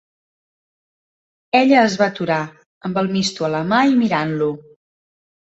Ella es va aturar, amb el misto a la mà i mirant-lo.